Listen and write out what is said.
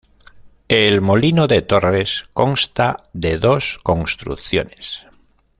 El molino de Torres consta de dos construcciones.